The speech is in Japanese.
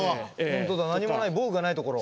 本当だ何もない防具がないところ。